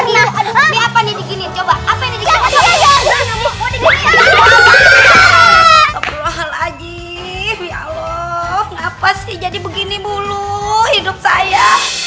belum pernah dikiniin coba apa ini lagi apa sih jadi begini bulu hidup saya